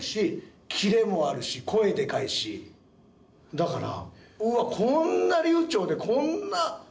だから。